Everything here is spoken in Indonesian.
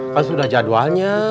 kan sudah jadwalnya